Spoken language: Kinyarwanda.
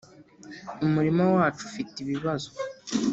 - umurima wacu ufite ibibazo